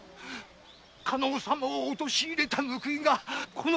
加納様を陥れた報いがこのザマで。